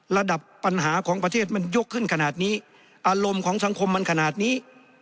ระดับปัญหาของประเทศมันยกขึ้นขนาดนี้อารมณ์ของสังคมมันขนาดนี้